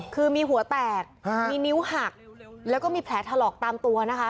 คือมีหัวแตกมีนิ้วหักแล้วก็มีแผลถลอกตามตัวนะคะ